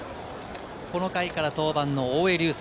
この回から登板の大江竜聖。